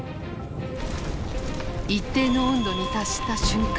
一定の温度に達した瞬間。